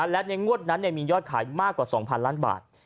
และในงวดนั้นมียอดขายมากกว่า๒๐๐ล้านบาท